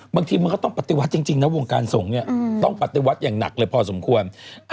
บางทีมันก็ต้องปฏิวัติจริงนะวงการสงฆ์เนี่ยต้องปฏิวัติอย่างหนักเลยพอสมควร